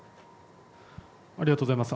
ありがとうございます。